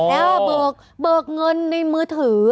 แล้วเบิกเงินในมือถือ